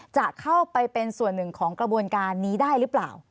จะเข้าไปเป็นส่วนหนึ่งของกระบวนการนี้ได้หรือเปล่า